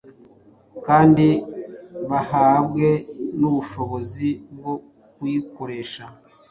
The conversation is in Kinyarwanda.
kandi bahabwe n’ubushobozi bwo kuyikoresha.